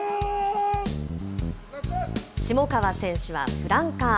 下川選手はフランカー。